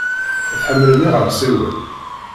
Tḥemmlem iɣersiwen?